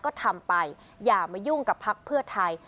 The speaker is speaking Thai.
ก็ทำไปอย่ามายุ่งกับพักเพื่อไทย